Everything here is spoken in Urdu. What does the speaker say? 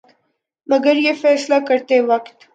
مگر یہ فیصلہ کرتے وقت